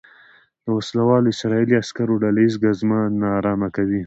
د وسلوالو اسرائیلي عسکرو ډله ییزه ګزمه نا ارامه کوي.